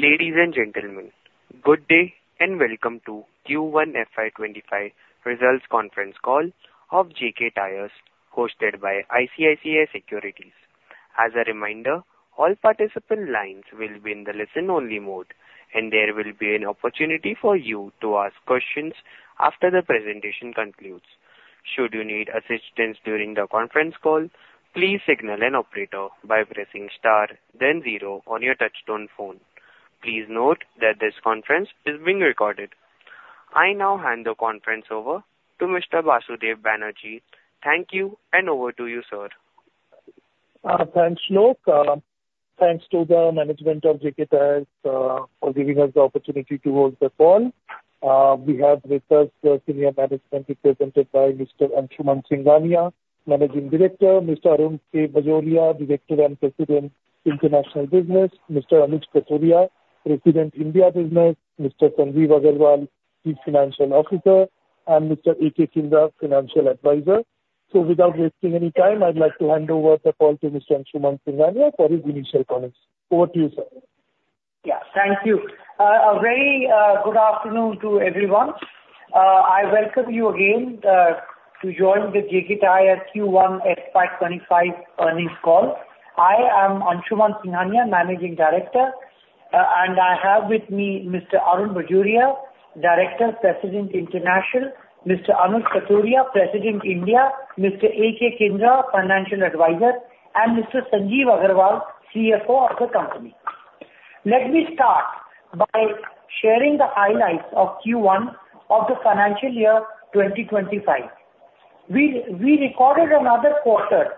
Ladies and gentlemen, good day and welcome to Q1 FY25 Results Conference Call of JK Tyre hosted by ICICI Securities. As a reminder, all participant lines will be in the listen-only mode, and there will be an opportunity for you to ask questions after the presentation concludes. Should you need assistance during the conference call, please signal an operator by pressing star, then zero on your touch-tone phone. Please note that this conference is being recorded. I now hand the conference over to Mr. Basudeb Banerjee. Thank you, and over to you, sir. Thanks, Shlok. Thanks to the management of JK Tyre for giving us the opportunity to hold the call. We have with us Senior Management represented by Mr. Anshuman Singhania, Managing Director, Mr. Arun K. Bajoria, Director and President, International Business, Mr. Anuj Kathuria, President, India Business, Mr. Sanjeev Aggarwal, Chief Financial Officer, and Mr. A.K. Kinra, Financial Advisor. So, without wasting any time, I'd like to hand over the call to Mr. Anshuman Singhania for his initial comments. Over to you, sir. Yeah, thank you. A very good afternoon to everyone. I welcome you again to join the JK Tyre Q1 FY25 Earnings Call. I am Anshuman Singhania, Managing Director, and I have with me Mr. Arun Bajoria, Director, President, International; Mr. Anuj Kathuria, President, India; Mr. A.K. Kinra, Financial Advisor; and Mr. Sanjeev Aggarwal, CFO of the company. Let me start by sharing the highlights of Q1 of the financial year 2025. We recorded another quarter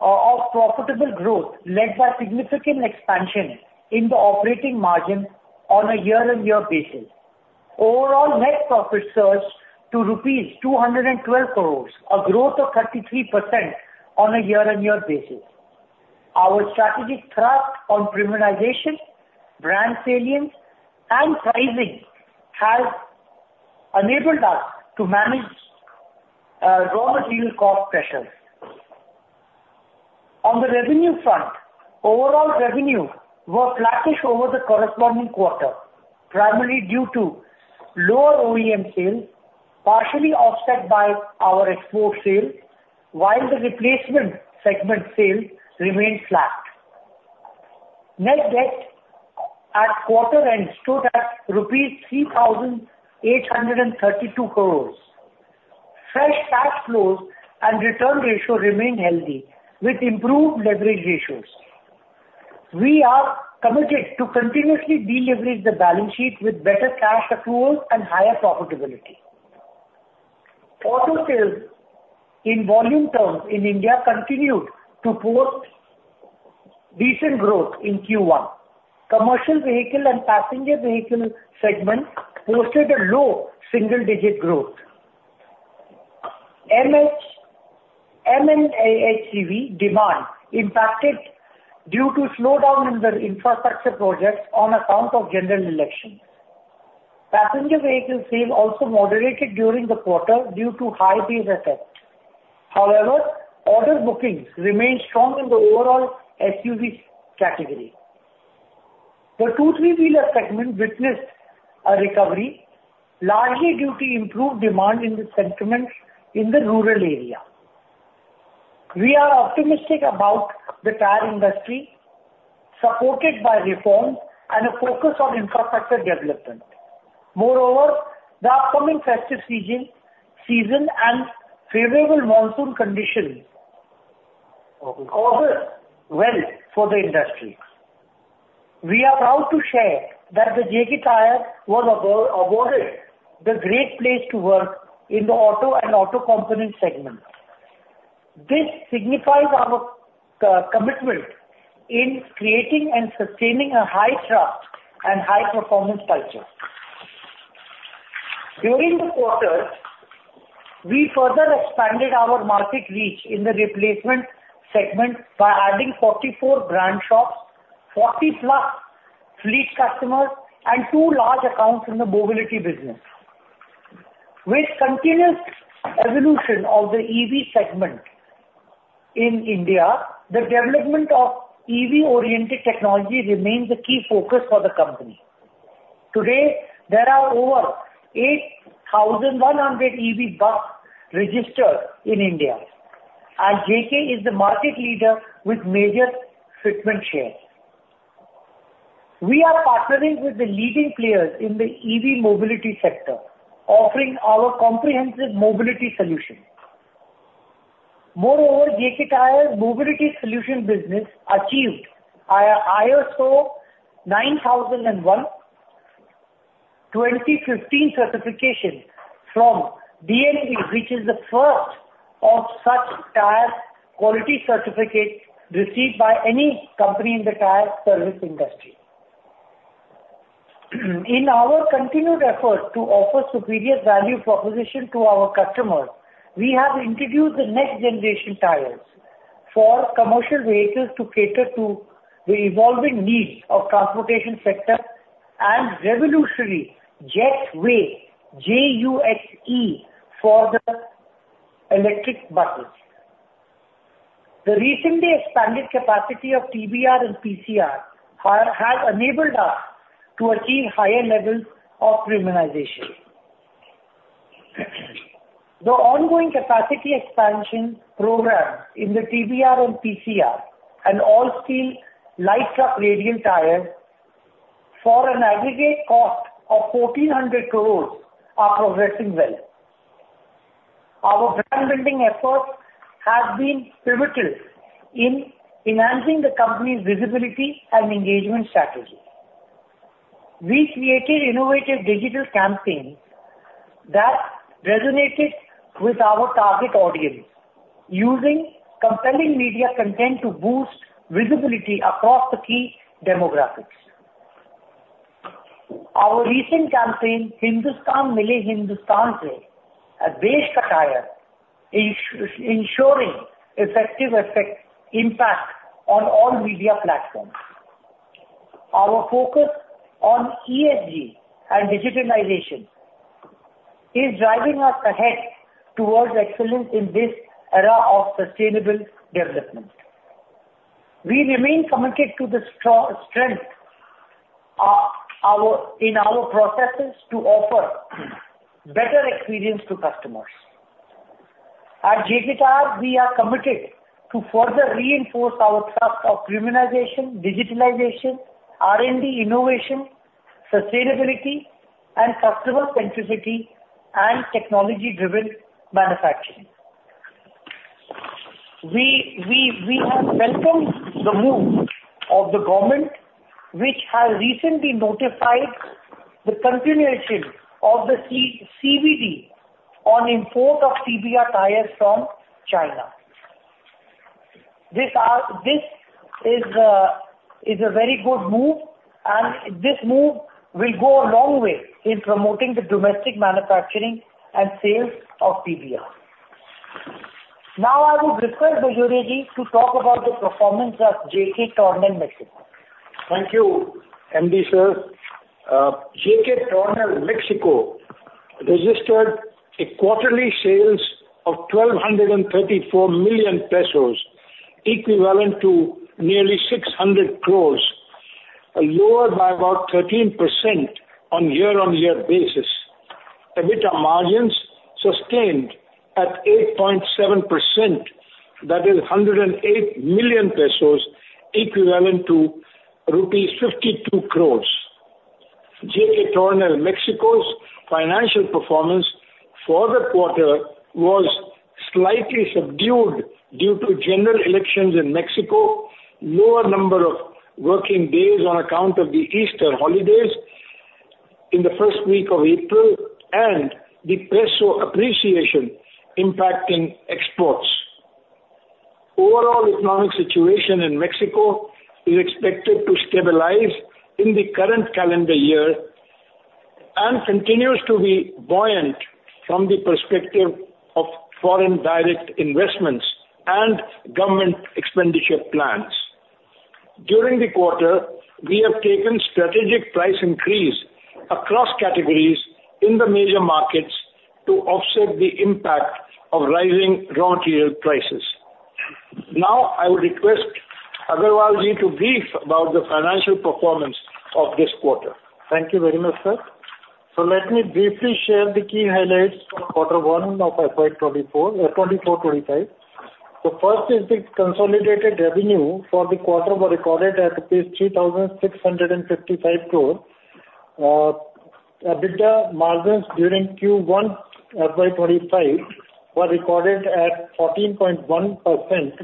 of profitable growth led by significant expansion in the operating margin on a year-on-year basis. Overall, net profit surged to rupees 212 crore, a growth of 33% on a year-on-year basis. Our strategic thrust on premiumization, brand salience, and pricing has enabled us to manage raw material cost pressures. On the revenue front, overall revenue was flattish over the corresponding quarter, primarily due to lower OEM sales, partially offset by our export sales, while the replacement segment sales remained flat. Net debt at quarter-end stood at Rs 3,832 crores. Fresh cash flows and return ratio remain healthy, with improved leverage ratios. We are committed to continuously deleverage the balance sheet with better cash accrual and higher profitability. Auto sales, in volume terms in India, continued to post decent growth in Q1. Commercial vehicle and passenger vehicle segment posted a low single-digit growth. M&HCV demand impacted due to slowdown in the infrastructure projects on account of general elections. Passenger vehicle sales also moderated during the quarter due to high base effect. However, order bookings remained strong in the overall SUV category. The two-three-wheeler segment witnessed a recovery, largely due to improved demand in the rural area. We are optimistic about the tire industry, supported by reform and a focus on infrastructure development. Moreover, the upcoming festive season and favorable monsoon conditions bode well for the industry. We are proud to share that JK Tyre was awarded the Great Place to Work in the auto and auto component segment. This signifies our commitment in creating and sustaining a high trust and high performance culture. During the quarter, we further expanded our market reach in the replacement segment by adding 44 brand shops, 40+ fleet customers, and two large accounts in the mobility business. With continuous evolution of the EV segment in India, the development of EV-oriented technology remains a key focus for the company. Today, there are over 8,100 EV buses registered in India, and JK is the market leader with major market shares. We are partnering with the leading players in the EV mobility sector, offering our comprehensive mobility solution. Moreover, JK Tyre's mobility solution business achieved ISO 9001:2015 certification from DNV, which is the first of such tire quality certificates received by any company in the tire service industry. In our continued effort to offer superior value proposition to our customers, we have introduced the next generation tires for commercial vehicles to cater to the evolving needs of the transportation sector and revolutionary Jetway JUXe for the electric buses. The recently expanded capacity of TBR and PCR has enabled us to achieve higher levels of premiumization. The ongoing capacity expansion programs in the TBR and PCR and all-steel light truck radial tires for an aggregate cost of 1,400 crores are progressing well. Our brand-building efforts have been pivotal in enhancing the company's visibility and engagement strategy. We created innovative digital campaigns that resonated with our target audience, using compelling media content to boost visibility across the key demographics. Our recent campaign, "Hindustan Mile Hindustan Se," a base for tires, ensuring effective impact on all media platforms. Our focus on ESG and digitalization is driving us ahead towards excellence in this era of sustainable development. We remain committed to the strength in our processes to offer better experience to customers. At JK Tyre, we are committed to further reinforce our trust of premiumization, digitalization, R&D innovation, sustainability, and customer-centricity and technology-driven manufacturing. We have welcomed the move of the government, which has recently notified the continuation of the CVD on import of TBR tires from China. This is a very good move, and this move will go a long way in promoting the domestic manufacturing and sales of TBR. Now, I would refer Bajoria ji to talk about the performance of JK Tornel Mexico. Thank you, MD sir. JK Tornel Mexico registered quarterly sales of 1,234 million pesos, equivalent to nearly 600 crores, lower by about 13% on a year-on-year basis. EBITDA margins sustained at 8.7%, that is 108 million pesos, equivalent to rupees 52 crores. JK Tornel Mexico's financial performance for the quarter was slightly subdued due to general elections in Mexico, lower number of working days on account of the Easter holidays in the first week of April, and the peso appreciation impacting exports. Overall economic situation in Mexico is expected to stabilize in the current calendar year and continues to be buoyant from the perspective of foreign direct investments and government expenditure plans. During the quarter, we have taken strategic price increase across categories in the major markets to offset the impact of rising raw material prices. Now, I would request Aggarwal ji to brief about the financial performance of this quarter. Thank you very much, sir. Let me briefly share the key highlights for quarter one of FY 2024. The first is the consolidated revenue for the quarter was recorded at INR 3,655 crores. EBITDA margins during Q1 FY 2025 were recorded at 14.1%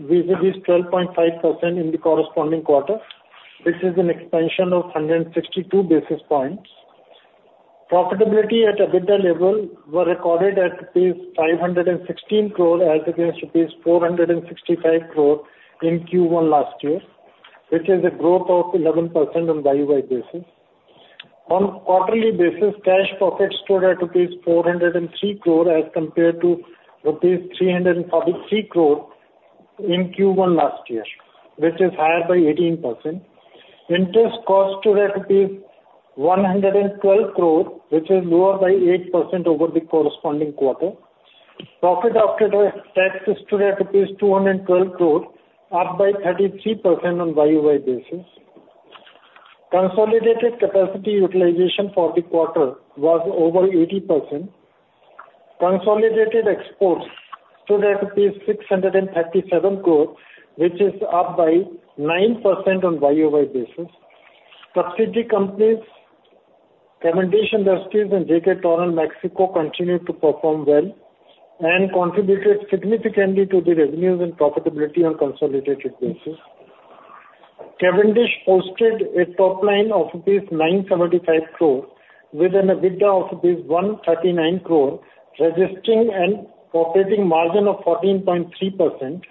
versus 12.5% in the corresponding quarter, which is an expansion of 162 basis points. Profitability at EBITDA level was recorded at rupees 516 crores as against rupees 465 crores in Q1 last year, which is a growth of 11% on the year-on-year basis. On a quarterly basis, cash profit stood at rupees 403 crores as compared to rupees 343 crores in Q1 last year, which is higher by 18%. Interest cost stood at 112 crores, which is lower by 8% over the corresponding quarter. Profit after tax stood at INR 212 crores, up by 33% on the year-on-year basis. Consolidated capacity utilization for the quarter was over 80%. Consolidated exports stood at rupees 637 crores, which is up by 9% on the year-on-year basis. Subsidiary companies, Cavendish Industries and JK Tornel Mexico continued to perform well and contributed significantly to the revenues and profitability on a consolidated basis. Cavendish posted a top line of 975 crores with an EBITDA of 139 crores, registering an operating margin of 14.3%.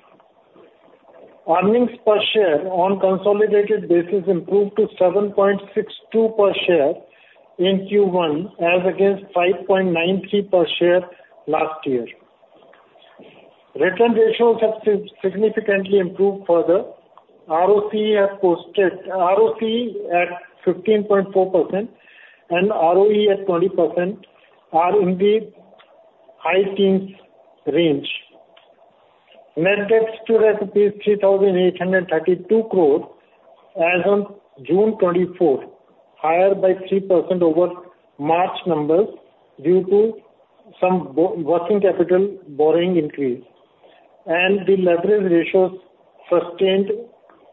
Earnings per share on a consolidated basis improved to 7.62 per share in Q1 as against 5.93 per share last year. Return ratios have significantly improved further. ROCE at 15.4% and ROE at 20% are in the high teens range. Net debt stood at rupees 3,832 crores as of June 2024, higher by 3% over March numbers due to some working capital borrowing increase. The leverage ratios sustained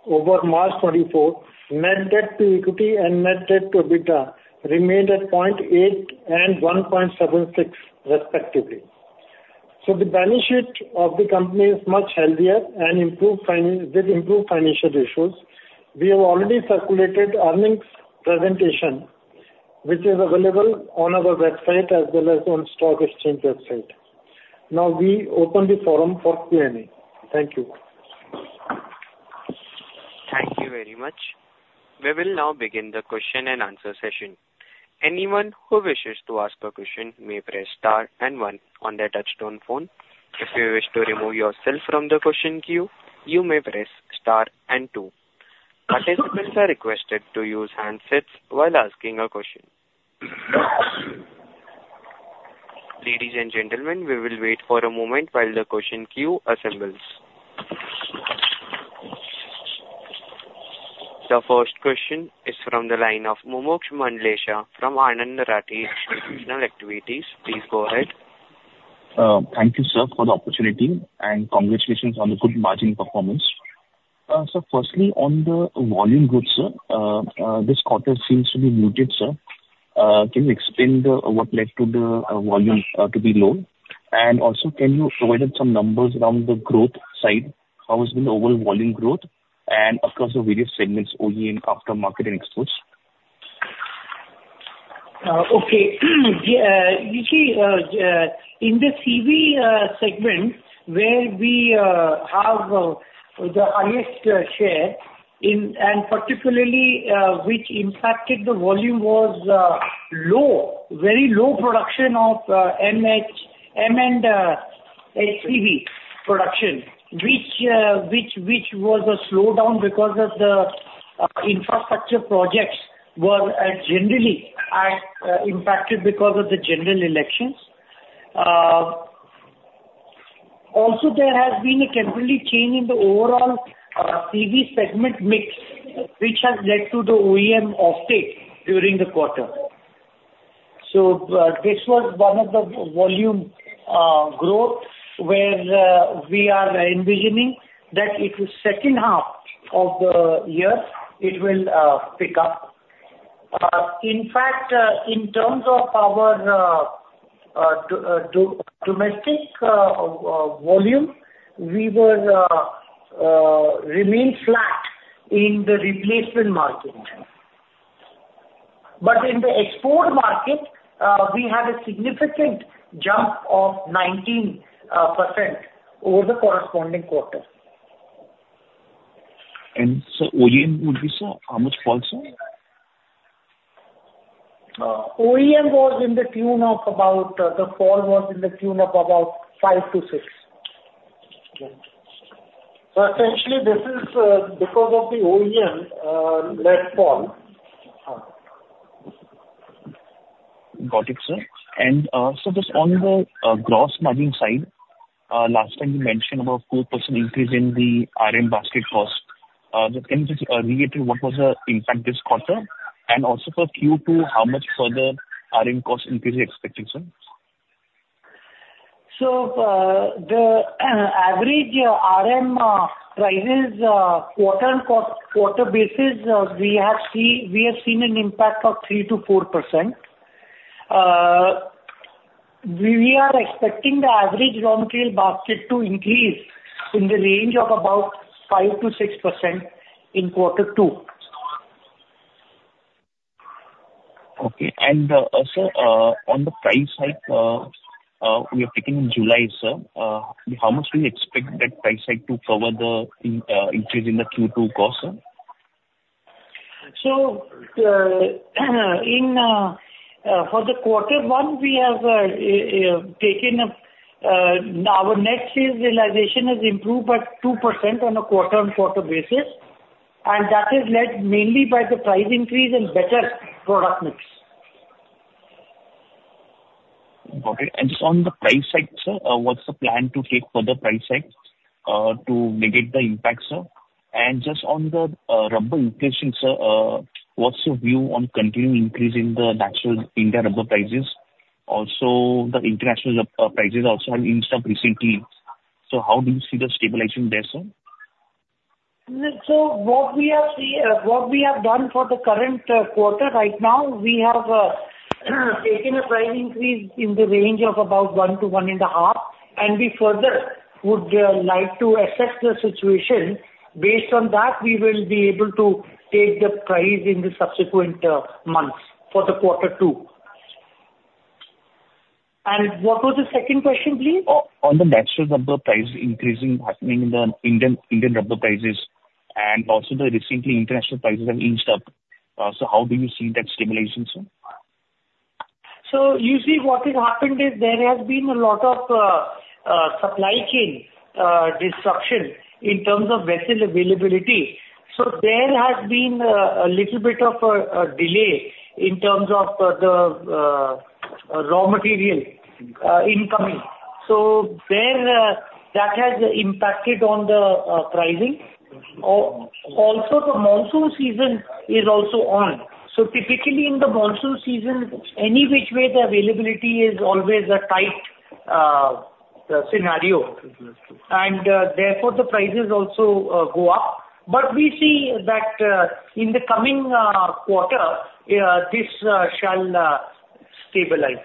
over March 2024, net debt to equity and net debt to EBITDA remained at 0.8 and 1.76, respectively. The balance sheet of the company is much healthier and improved with improved financial ratios. We have already circulated earnings presentation, which is available on our website as well as on the stock exchange website. Now, we open the forum for Q&A. Thank you. Thank you very much. We will now begin the question and answer session. Anyone who wishes to ask a question may press star and one on their touch-tone phone. If you wish to remove yourself from the question queue, you may press star and two. Participants are requested to use handsets while asking a question. Ladies and gentlemen, we will wait for a moment while the question queue assembles. The first question is from the line of Mumuksh Mandlesha from Anand Rathi Shares and Stock Brokers Ltd. Please go ahead. Thank you, sir, for the opportunity and congratulations on the good margin performance. Firstly, on the volume growth, sir, this quarter seems to be muted, sir. Can you explain what led to the volume to be low? And also, can you provide some numbers around the growth side? How has been the overall volume growth and across the various segments, OEM, aftermarket, and exports? Okay. You see, in the CV segment, where we have the highest share and particularly which impacted the volume was low, very low production of M&HCV production, which was a slowdown because of the infrastructure projects were generally impacted because of the general elections. Also, there has been a temporary change in the overall CV segment mix, which has led to the OEM offtake during the quarter. So this was one of the volume growth where we are envisioning that in the second half of the year, it will pick up. In fact, in terms of our domestic volume, we were remained flat in the replacement market. But in the export market, we had a significant jump of 19% over the corresponding quarter. OEM would be so how much fall, sir? OEM was in the tune of about, the fall was in the tune of about 5-6. So essentially, this is because of the OEM-led fall. Got it, sir. And so just on the gross margin side, last time you mentioned about a 4% increase in the RM basket cost. Can you just recap what was the impact this quarter? And also for Q2, how much further RM cost increase expected, sir? So the average RM prices quarter-on-quarter basis, we have seen an impact of 3%-4%. We are expecting the average raw material basket to increase in the range of about 5%-6% in quarter two. Okay. Sir, on the pricing side, we are hiking in July, sir. How much do you expect that pricing to cover the increase in the Q2 cost, sir? For the quarter one, we have taken our net realization has improved by 2% on a quarter-on-quarter basis. That is led mainly by the price increase and better product mix. Got it. And just on the price side, sir, what's the plan to take further price side to mitigate the impact, sir? And just on the rubber inflation, sir, what's your view on continuing increase in the natural Indian rubber prices? Also, the international prices also have increased up recently. So how do you see the stabilization there, sir? What we have done for the current quarter right now, we have taken a price increase in the range of about 1-1.5. We further would like to assess the situation. Based on that, we will be able to take the price in the subsequent months for the quarter two. What was the second question, please? On the natural rubber price increasing happening in the Indian rubber prices and also the recent international prices have inched up. So how do you see that situation, sir? So you see what has happened is there has been a lot of supply chain disruption in terms of vessel availability. So there has been a little bit of a delay in terms of the raw material incoming. So that has impacted on the pricing. Also, the monsoon season is also on. So typically in the monsoon season, any which way the availability is always a tight scenario. And therefore, the prices also go up. But we see that in the coming quarter, this shall stabilize.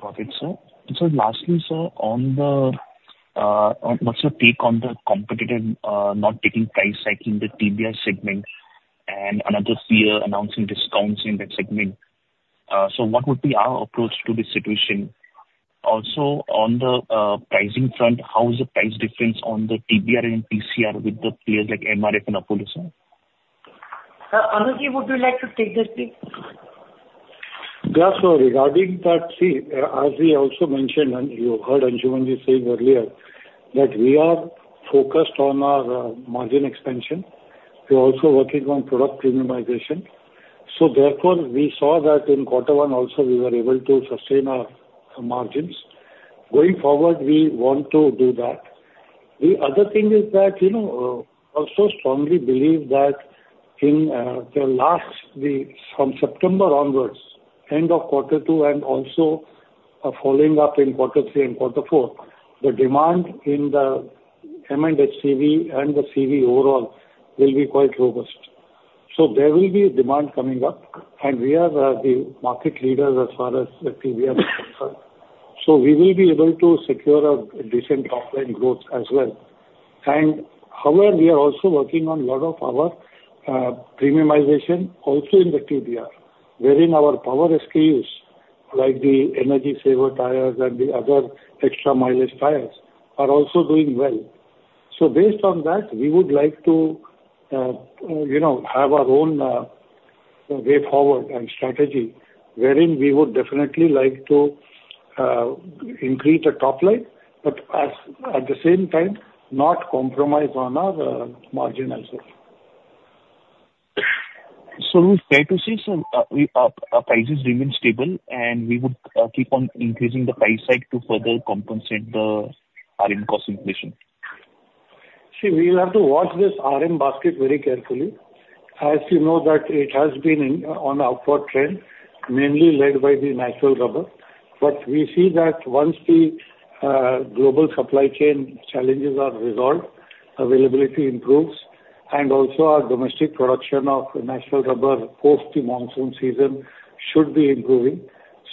Got it, sir. So lastly, sir, what's your take on the competitors not taking price hikes in the TBR segment and another firm announcing discounts in that segment? So what would be our approach to the situation? Also, on the pricing front, how is the price difference on the TBR and PCR with the players like MRF and Apollo, sir? Anuj, would you like to take that, please? Yeah. So regarding that, see, as we also mentioned, and you heard Anshumanji say earlier that we are focused on our margin expansion. We are also working on product premiumization. So therefore, we saw that in quarter one also, we were able to sustain our margins. Going forward, we want to do that. The other thing is that we also strongly believe that in the last from September onwards, end of quarter two and also following up in quarter three and quarter four, the demand in the M&HCV and the CV overall will be quite robust. So there will be demand coming up. And we are the market leaders as far as TBR is concerned. So we will be able to secure a decent top-line growth as well. However, we are also working on a lot of our premiumization also in the TBR, wherein our power SKUs like the Energy Saver tires and the other extra mileage tires are also doing well. Based on that, we would like to have our own way forward and strategy wherein we would definitely like to increase the top line, but at the same time, not compromise on our margin also. So try to see some prices remain stable, and we would keep on increasing the price side to further compensate the RM cost inflation. See, we will have to watch this RM basket very carefully. As you know, that it has been on an upward trend, mainly led by the natural rubber. But we see that once the global supply chain challenges are resolved, availability improves. And also, our domestic production of natural rubber post the monsoon season should be improving.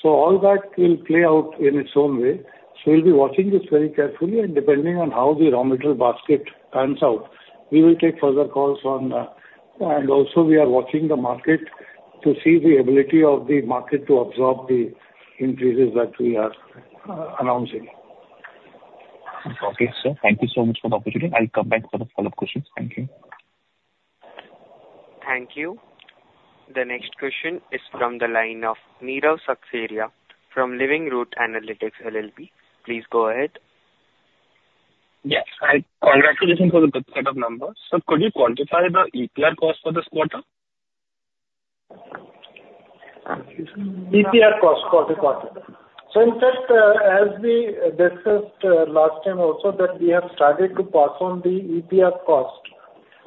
So all that will play out in its own way. So we'll be watching this very carefully. And depending on how the raw material basket turns out, we will take further calls on. And also, we are watching the market to see the ability of the market to absorb the increases that we are announcing. Okay, sir. Thank you so much for the opportunity. I'll come back for the follow-up questions. Thank you. Thank you. The next question is from the line of Nirav Seksaria from Living Root Analytics LLP. Please go ahead. Yes. Congratulations for the good set of numbers. Could you quantify the EPR cost for this quarter? EPR cost for the quarter. So in fact, as we discussed last time also, that we have started to pass on the EPR cost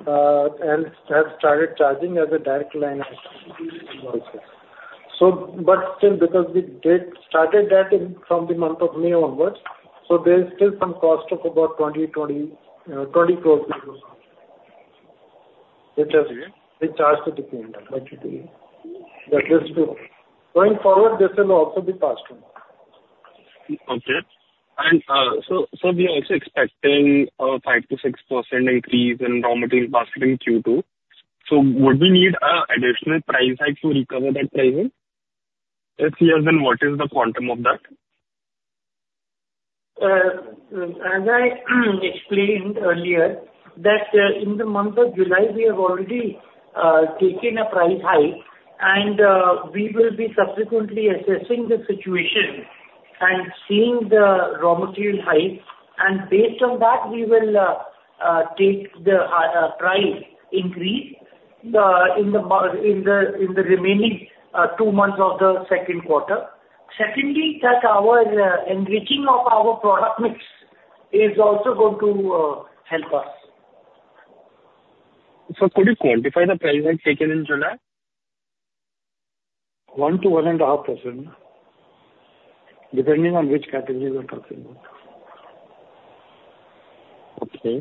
and have started charging as a direct line of. But still, because we started that from the month of May onwards, so there is still some cost of about 20,000 which has been charged to the TBR. That is true. Going forward, this will also be passed on. Okay. We are also expecting a 5%-6% increase in raw material basket in Q2. Would we need an additional price side to recover that price? Let's see as in what is the quantum of that? As I explained earlier, that in the month of July, we have already taken a price hike. We will be subsequently assessing the situation and seeing the raw material hike. Based on that, we will take the price increase in the remaining two months of the second quarter. Secondly, that our enriching of our product mix is also going to help us. Could you quantify the price I've taken in July? 1%-1.5%, depending on which category we're talking about. Okay.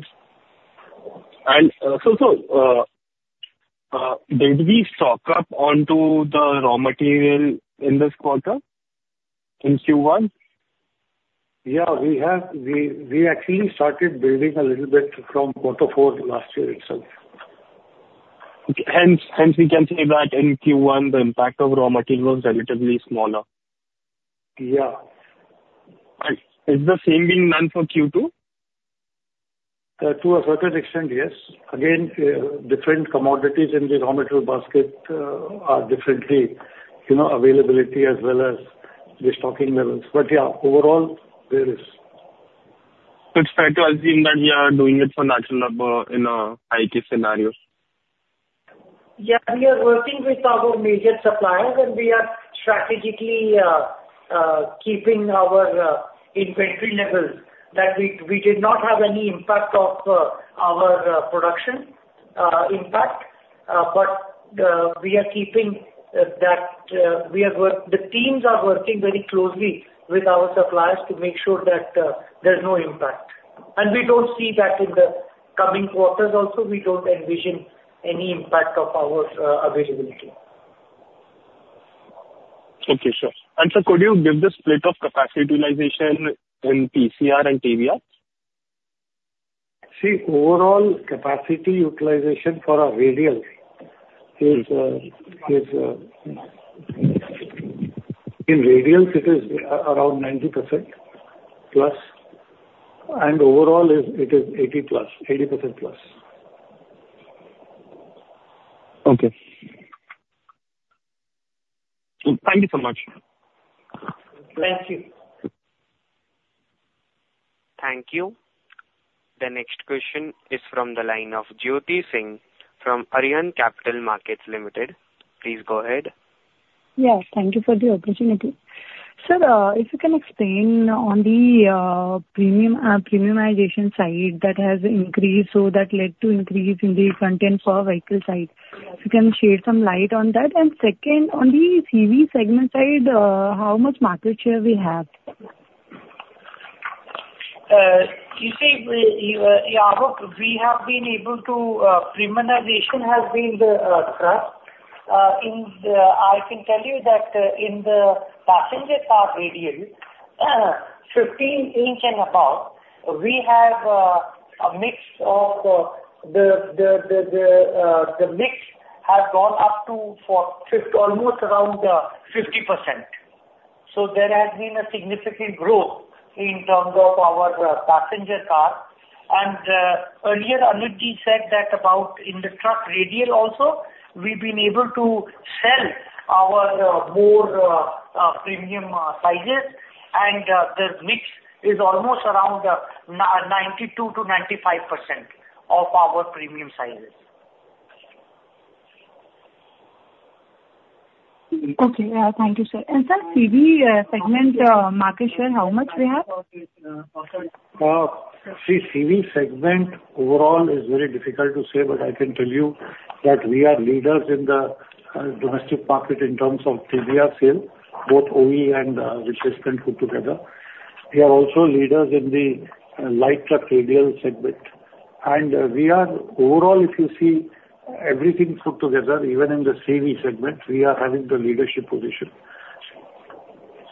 And so did we stock up on the raw material in this quarter in Q1? Yeah. We actually started building a little bit from quarter four last year, sir. Hence, we can say that in Q1, the impact of raw material was relatively smaller. Yeah. Is the same being done for Q2? To a certain extent, yes. Again, different commodities in the raw material basket are differently availability as well as the stocking levels. But yeah, overall, there is. So it's fair to assume that we are doing it for natural rubber in a high-case scenario? Yeah. We are working with our immediate suppliers, and we are strategically keeping our inventory levels that we did not have any impact of our production impact. But we are keeping that the teams are working very closely with our suppliers to make sure that there's no impact. And we don't see that in the coming quarters also. We don't envision any impact of our availability. Thank you, sir. So could you give this split of capacity utilization in PCR and TBR? See, overall capacity utilization for our radial is in radials, it is around 90% plus. Overall, it is 80% plus. Okay. Thank you so much. Thank you. Thank you. The next question is from the line of Jyoti Singh from Arihant Capital Markets Ltd. Please go ahead. Yes. Thank you for the opportunity. Sir, if you can explain on the premiumization side that has increased, so that led to increase in the content for vehicle side. If you can shed some light on that. Second, on the CV segment side, how much market share we have? You see, yeah, we have been able to premiumization has been the thrust. I can tell you that in the passenger car radial, 15-inch and above, we have a mix of the mix has gone up to almost around 50%. So there has been a significant growth in terms of our passenger car. And earlier, Anuj said that about in the truck radial also, we've been able to sell our more premium sizes. And the mix is almost around 92%-95% of our premium sizes. Okay. Thank you, sir. And sir, CV segment market share, how much we have? See, CV segment overall is very difficult to say, but I can tell you that we are leaders in the domestic market in terms of TBR sale, both OE and replacement put together. We are also leaders in the light truck radial segment. We are overall, if you see everything put together, even in the CV segment, we are having the leadership position.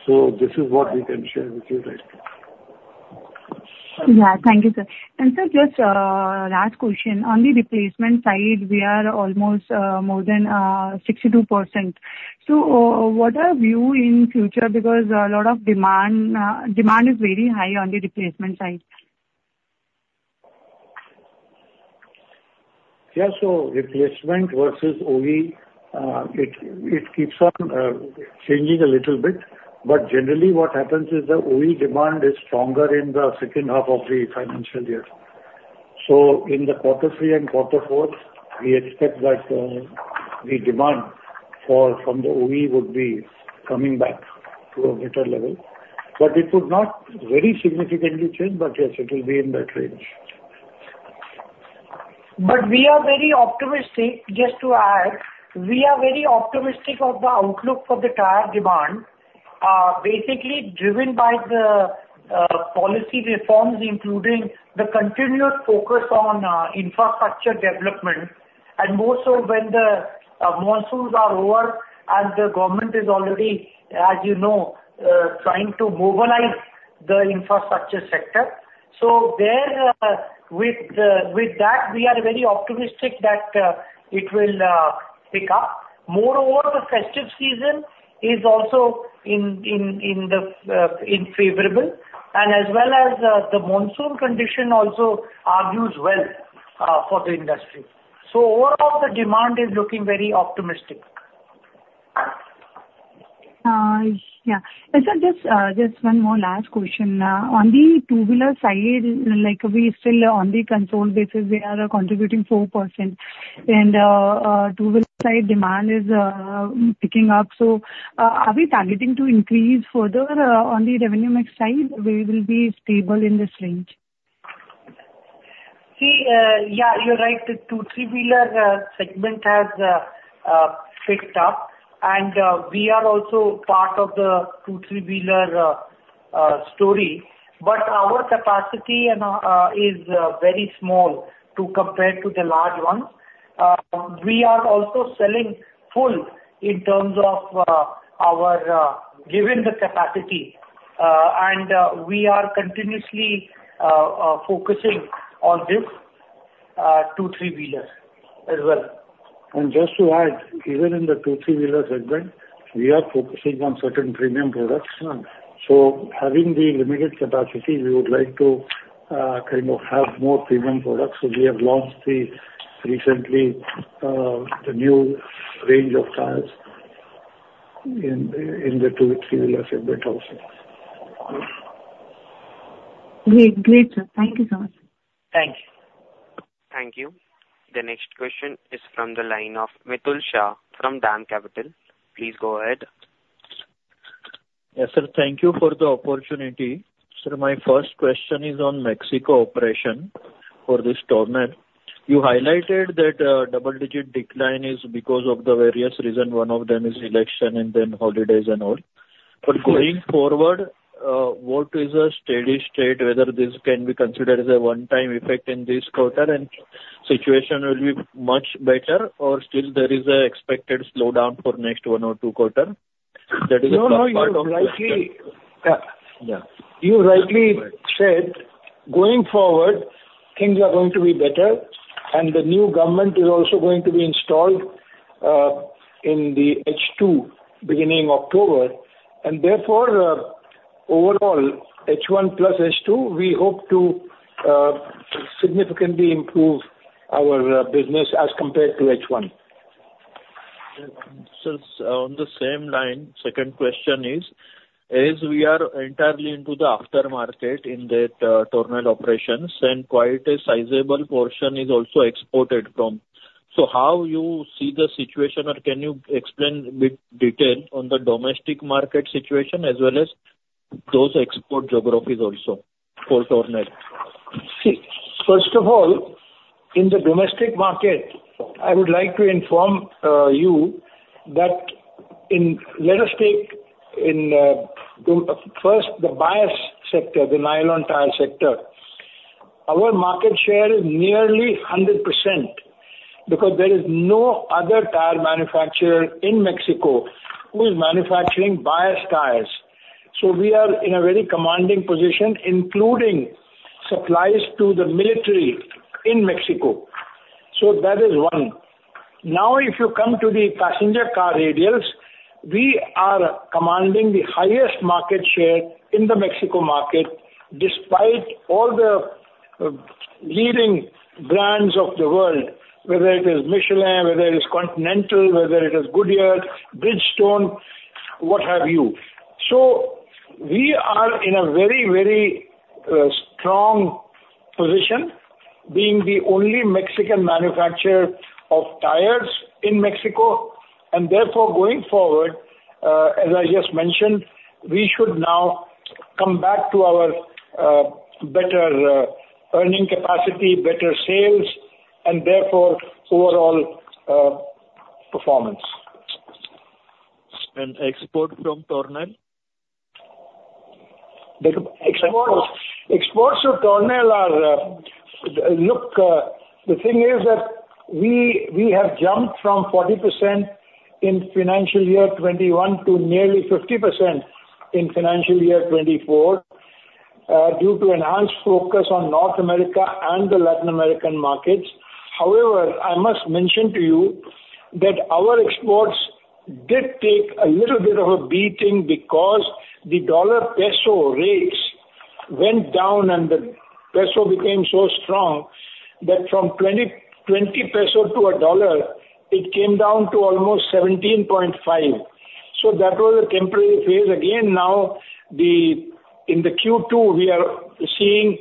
So this is what we can share with you right now. Yeah. Thank you, sir. Sir, just last question. On the replacement side, we are almost more than 62%. So what are you in future because a lot of demand is very high on the replacement side? Yeah. So replacement versus OE, it keeps on changing a little bit. But generally, what happens is the OE demand is stronger in the second half of the financial year. So in the quarter three and quarter four, we expect that the demand from the OE would be coming back to a better level. But it would not very significantly change, but yes, it will be in that range. We are very optimistic. Just to add, we are very optimistic of the outlook for the tire demand, basically driven by the policy reforms, including the continued focus on infrastructure development. More so when the monsoons are over and the government is already, as you know, trying to mobilize the infrastructure sector. So with that, we are very optimistic that it will pick up. Moreover, the festive season is also in favorable. As well as the monsoon condition also argues well for the industry. So overall, the demand is looking very optimistic. Yeah. Sir, just one more last question. On the two-wheeler side, we still on the control basis, we are contributing 4%. And two-wheeler side demand is picking up. So are we targeting to increase further on the revenue mix side? We will be stable in this range. See, yeah, you're right. The two or three-wheeler segment has picked up. And we are also part of the two or three-wheeler story. But our capacity is very small to compare to the large ones. We are also selling full in terms of our given the capacity. And we are continuously focusing on this two or three-wheeler as well. Just to add, even in the two or three-wheeler segment, we are focusing on certain premium products. Having the limited capacity, we would like to kind of have more premium products. We have launched recently the new range of tires in the two or three-wheeler segment also. Great. Thank you so much. Thank you. Thank you. The next question is from the line of Mitul Shah from DAM Capital. Please go ahead. Yes, sir. Thank you for the opportunity. Sir, my first question is on Mexico operation for this Tornel. You highlighted that double-digit decline is because of the various reasons. One of them is election and then holidays and all. But going forward, what is a steady state, whether this can be considered as a one-time effect in this quarter and situation will be much better, or still there is an expected slowdown for next one or two quarters? That is a part of the question. No, you rightly said. Going forward, things are going to be better. And the new government is also going to be installed in the H2 beginning of October. And therefore, overall, H1 plus H2, we hope to significantly improve our business as compared to H1. Sir, on the same line, second question is, as we are entirely into the aftermarket in that Tornel operations, and quite a sizable portion is also exported from. So how you see the situation, or can you explain with detail on the domestic market situation as well as those export geographies also for Tornel? See, first of all, in the domestic market, I would like to inform you that let us take first the bias sector, the nylon tire sector. Our market share is nearly 100% because there is no other tire manufacturer in Mexico who is manufacturing bias tires. So we are in a very commanding position, including supplies to the military in Mexico. So that is one. Now, if you come to the passenger car radials, we are commanding the highest market share in the Mexico market despite all the leading brands of the world, whether it is Michelin, whether it is Continental, whether it is Goodyear, Bridgestone, what have you. So we are in a very, very strong position, being the only Mexican manufacturer of tires in Mexico. Therefore, going forward, as I just mentioned, we should now come back to our better earning capacity, better sales, and therefore overall performance. And export from Tornel? Exports from Tornel are, look, the thing is that we have jumped from 40% in financial year 2021 to nearly 50% in financial year 2024 due to enhanced focus on North America and the Latin American markets. However, I must mention to you that our exports did take a little bit of a beating because the dollar-peso rates went down, and the peso became so strong that from 20 pesos to a dollar, it came down to almost 17.5. So that was a temporary phase. Again, now in the Q2, we are seeing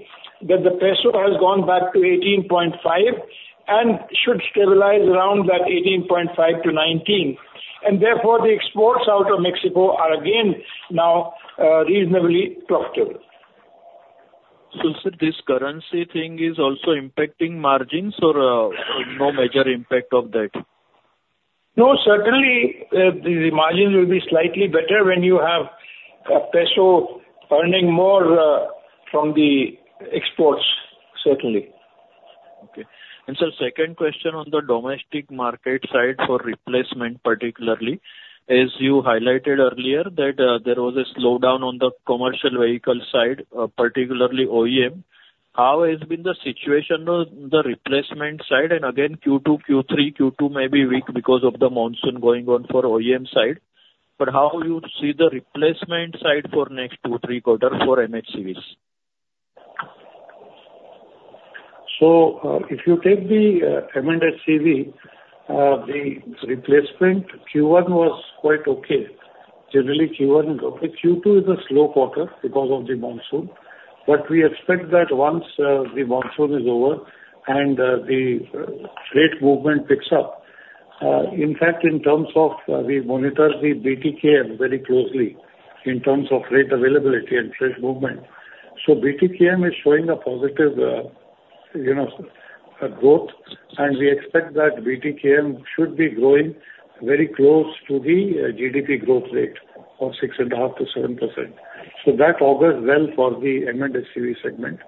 that the peso has gone back to 18.5 and should stabilize around that 18.5-19. And therefore, the exports out of Mexico are again now reasonably profitable. Sir, this currency thing is also impacting margins or no major impact of that? No, certainly, the margins will be slightly better when you have a peso earning more from the exports, certainly. Okay. And sir, second question on the domestic market side for replacement, particularly, as you highlighted earlier, that there was a slowdown on the commercial vehicle side, particularly OEM. How has been the situation on the replacement side? And again, Q2, Q3, Q2 may be weak because of the monsoon going on for OEM side. But how you see the replacement side for next two or three quarters for MHCVs? So if you take the M&HCV, the replacement Q1 was quite okay. Generally, Q1 is okay. Q2 is a slow quarter because of the monsoon. But we expect that once the monsoon is over and the rate movement picks up. In fact, in terms of we monitor the BTKM very closely in terms of rate availability and trade movement. So BTKM is showing a positive growth. And we expect that BTKM should be growing very close to the GDP growth rate of 6.5%-7%. So that augurs well for the M&HCV segment.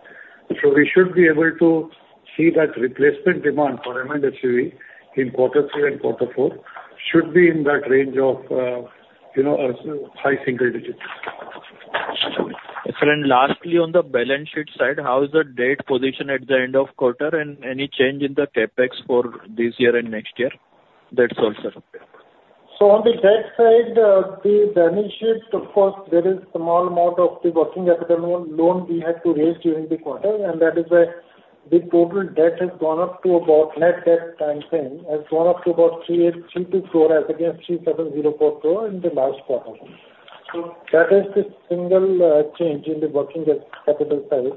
So we should be able to see that replacement demand for M&HCV in quarter three and quarter four should be in that range of high single digits. Excellent. Lastly, on the balance sheet side, how is the debt position at the end of quarter and any change in the CapEx for this year and next year? That's all, sir. So on the debt side, the balance sheet took a very small amount of the working capital loan we had to raise during the quarter. And that is why the total debt has gone up. The net debt to EBITDA has gone up to about 3.83-4 as against 3.7044 in the last quarter. That is the single change in the working capital side.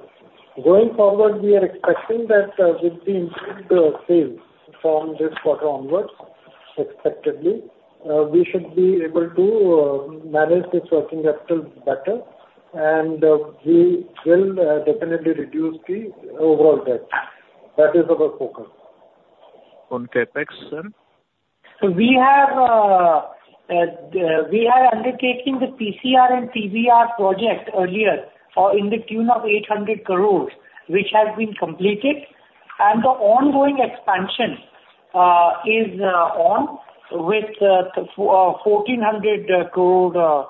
Going forward, we are expecting that with the improved sales from this quarter onwards, expectedly, we should be able to manage this working capital better. We will definitely reduce the overall debt. That is our focus. On CapEx, sir? We are undertaking the PCR and TBR project earlier to the tune of 800 crore, which has been completed. The ongoing expansion is on with 1,400 crore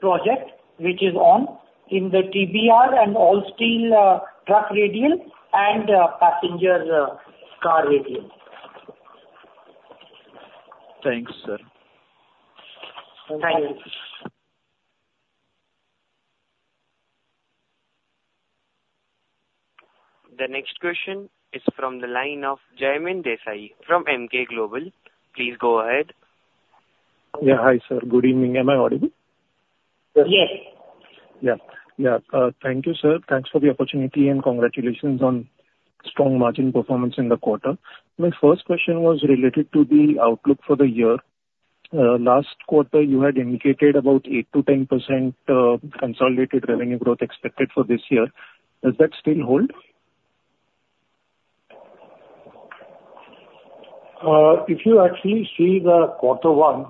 project, which is on in the TBR and all steel truck radial and passenger car radial. Thanks, sir. Thank you. The next question is from the line of Jaimin Desai from Emkay Global Financial Services Ltd. Please go ahead. Yeah. Hi, sir. Good evening. Am I audible? Yes. Yeah. Yeah. Thank you, sir. Thanks for the opportunity and congratulations on strong margin performance in the quarter. My first question was related to the outlook for the year. Last quarter, you had indicated about 8%-10% consolidated revenue growth expected for this year. Does that still hold? If you actually see the quarter one,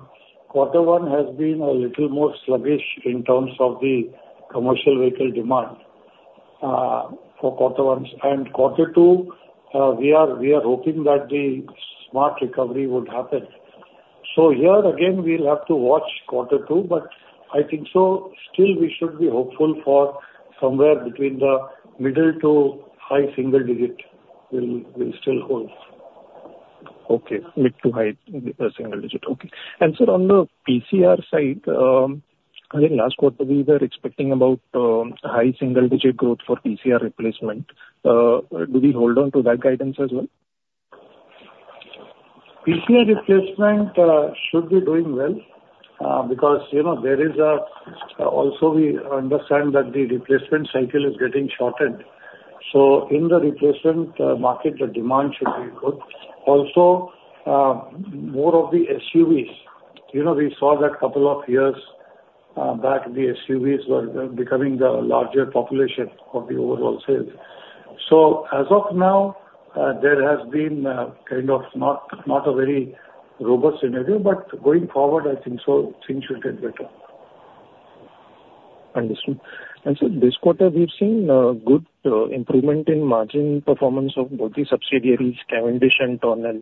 quarter one has been a little more sluggish in terms of the commercial vehicle demand for quarter one. And quarter two, we are hoping that the smart recovery would happen. So here, again, we'll have to watch quarter two, but I think so still we should be hopeful for somewhere between the middle to high single digit will still hold. Okay. Mid- to high-single-digit. Okay. And sir, on the PCR side, again, last quarter, we were expecting about high-single-digit growth for PCR replacement. Do we hold on to that guidance as well? PCR replacement should be doing well because there is also we understand that the replacement cycle is getting shortened. So in the replacement market, the demand should be good. Also, more of the SUVs. We saw that a couple of years back, the SUVs were becoming the larger population of the overall sales. So as of now, there has been kind of not a very robust scenario, but going forward, I think so things should get better. Understood. And sir, this quarter, we've seen good improvement in margin performance of both the subsidiaries, Cavendish and Tornel,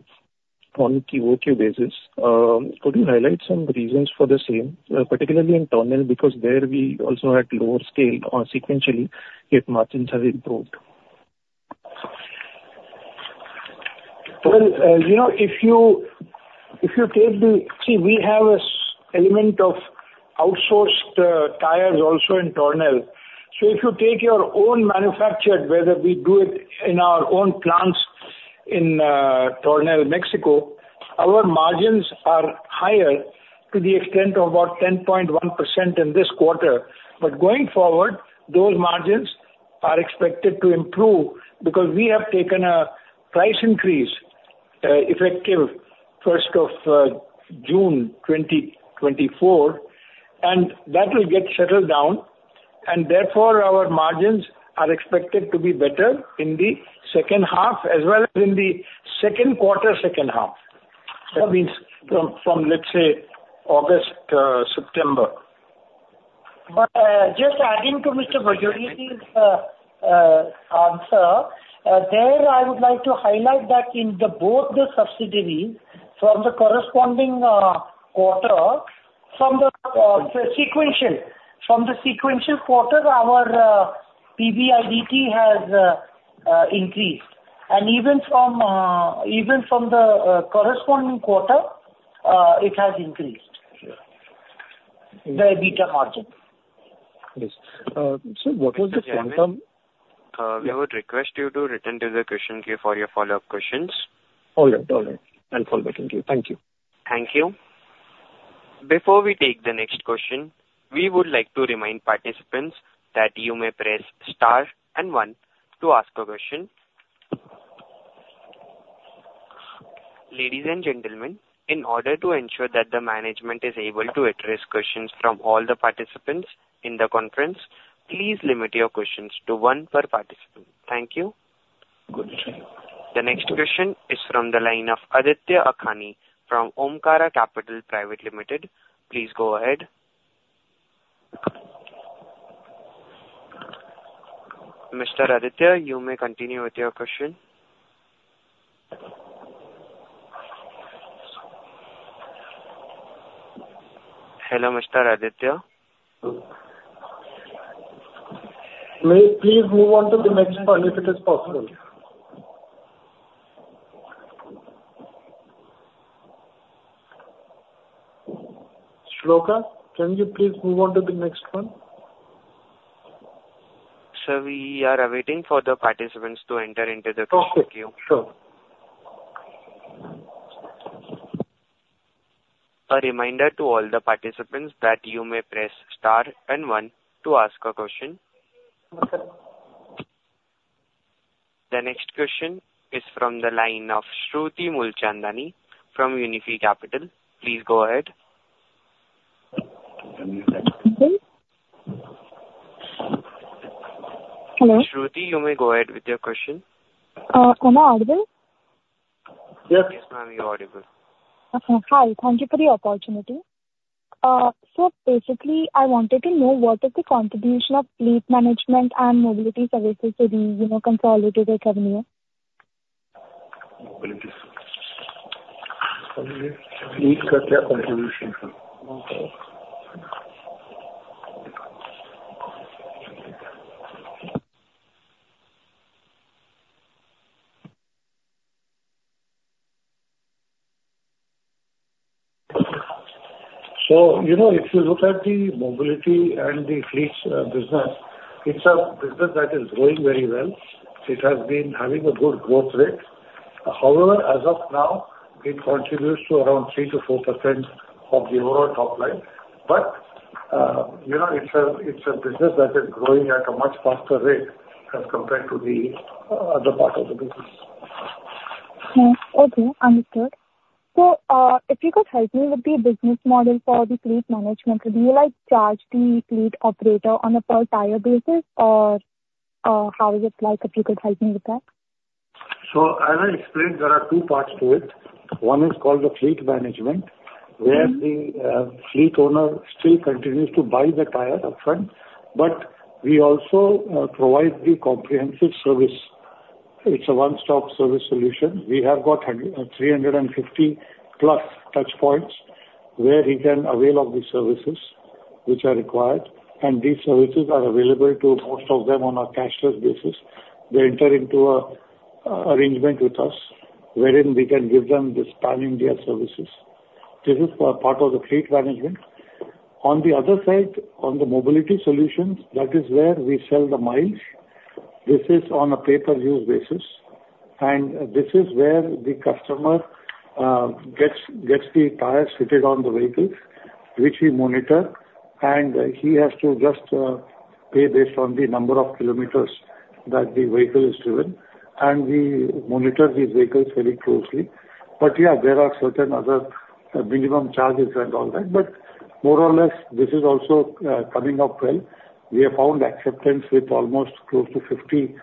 on QOQ basis. Could you highlight some reasons for the same, particularly in Tornel because there we also had lower scale or sequentially if margins have improved? Well, if you take the see, we have an element of outsourced tires also in Tornel. So if you take your own manufactured, whether we do it in our own plants in Tornel, Mexico, our margins are higher to the extent of about 10.1% in this quarter. But going forward, those margins are expected to improve because we have taken a price increase effective 1st of June 2024, and that will get settled down. And therefore, our margins are expected to be better in the second half as well as in the second quarter second half. That means from, let's say, August, September. Just adding to Mr. Bajoria's answer, there I would like to highlight that in both the subsidiaries from the corresponding quarter, from the sequential quarter, our PBIDT has increased. Even from the corresponding quarter, it has increased. The EBITDA margin. Yes. Sir, what was the quantum? We would request you to return to the question queue for your follow-up questions. All right. All right. I'll fall back into you. Thank you. Thank you. Before we take the next question, we would like to remind participants that you may press star and one to ask a question. Ladies and gentlemen, in order to ensure that the management is able to address questions from all the participants in the conference, please limit your questions to one per participant. Thank you. Good. The next question is from the line of Aditya Akhani from Omkara Capital Private Limited. Please go ahead. Mr. Aditya, you may continue with your question. Hello, Mr. Aditya. May we please move on to the next one if it is possible? Shloka, can you please move on to the next one? Sir, we are awaiting for the participants to enter into the question queue. Okay. Sure. A reminder to all the participants that you may press star and one to ask a question. The next question is from the line of Shruti Mulchandani from Unifi Capital. Please go ahead. Hello. Shruti, you may go ahead with your question. Am I audible? Yes. Yes, ma'am, you're audible. Okay. Hi. Thank you for the opportunity. So basically, I wanted to know what is the contribution of fleet management and mobility services to the consolidated revenue? Fleet got their contribution. If you look at the mobility and the fleets business, it's a business that is growing very well. It has been having a good growth rate. However, as of now, it contributes to around 3%-4% of the overall top line. It's a business that is growing at a much faster rate as compared to the other part of the business. Okay. Understood. So if you could help me with the business model for the fleet management, would you charge the fleet operator on a per-tier basis, or how is it like if you could help me with that? So as I explained, there are two parts to it. One is called the fleet management, where the fleet owner still continues to buy the tire upfront, but we also provide the comprehensive service. It's a one-stop service solution. We have got 350+ touchpoints where he can avail of the services which are required. And these services are available to most of them on a cashless basis. They enter into an arrangement with us, wherein we can give them the pan-India services. This is part of the fleet management. On the other side, on the mobility solutions, that is where we sell the miles. This is on a pay-per-use basis. And this is where the customer gets the tires fitted on the vehicles, which we monitor. And he has to just pay based on the number of kilometers that the vehicle is driven. We monitor these vehicles very closely. Yeah, there are certain other minimum charges and all that. More or less, this is also coming up well. We have found acceptance with almost close to 50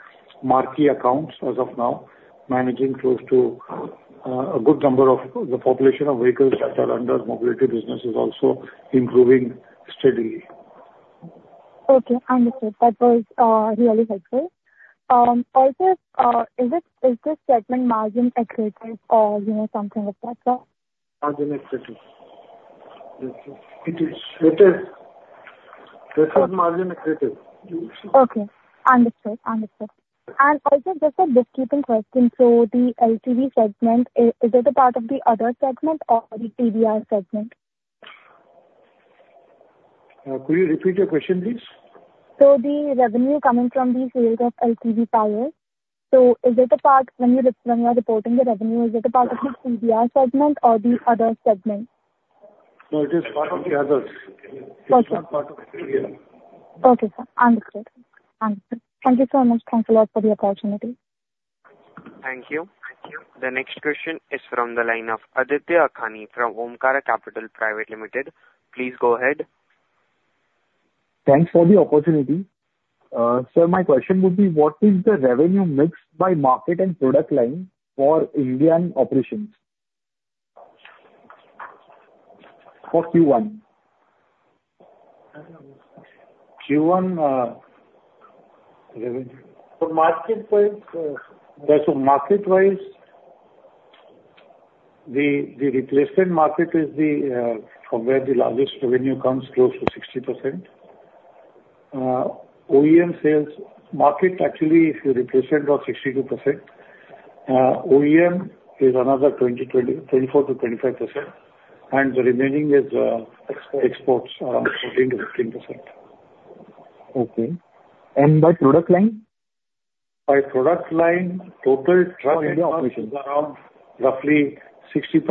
marquee accounts as of now, managing close to a good number of the population of vehicles that are under mobility business is also improving steadily. Okay. Understood. That was really helpful. Also, is this segment margin accredited or something like that? Margin accredited. This is margin accredited. Okay. Understood. Understood. And also, just a bookkeeping question. So the LTV segment, is it a part of the other segment or the TBR segment? Could you repeat your question, please? So the revenue coming from the sales of LTV tires, so is it a part when you are reporting the revenue, is it a part of the TBR segment or the other segment? No, it is part of the others. It is not part of the TBR. Okay. Understood. Understood. Thank you so much. Thanks a lot for the opportunity. Thank you. The next question is from the line of Aditya Akhani from Omkara Capital Private Limited. Please go ahead. Thanks for the opportunity. Sir, my question would be, what is the revenue mix by market and product line for Indian operations for Q1? Q1 revenue. So, market-wise, the replacement market is from where the largest revenue comes, close to 60%. OEM sales market actually, if you represent about 62%. OEM is another 24%-25%. And the remaining is exports, around 14%-15%. Okay. And by product line? By product line, total truck and bus operations is around roughly 60%.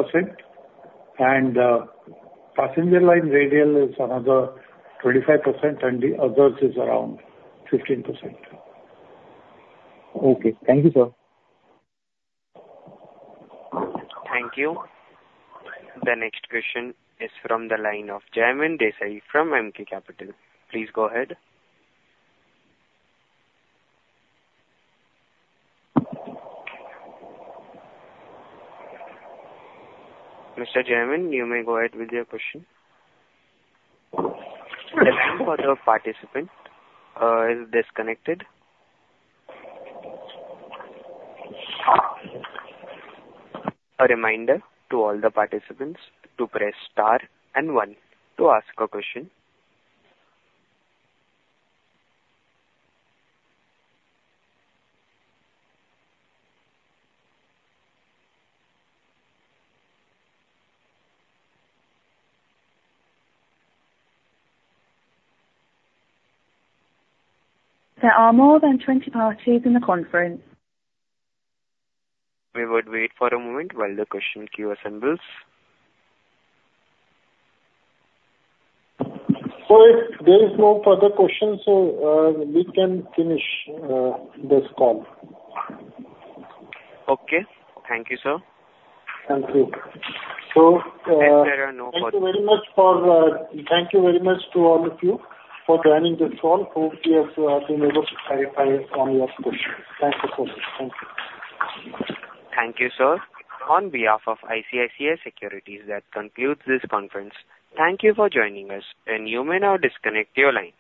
Passenger car radial is another 25%, and the others is around 15%. Okay. Thank you, sir. Thank you. The next question is from the line of Jaimin Desai from MK Global. Please go ahead. Mr. Jaimin, you may go ahead with your question. The line for the participant is disconnected. A reminder to all the participants to press star and one to ask a question. There are more than 20 parties in the conference. We would wait for a moment while the question queue assembles. So, if there is no further questions, so we can finish this call. Okay. Thank you, sir. Thank you. So. If there are no further. Thank you very much to all of you for joining this call. Hope we have been able to clarify all your questions. Thank you so much. Thank you. Thank you, sir. On behalf of ICICI Securities, that concludes this conference. Thank you for joining us, and you may now disconnect your line.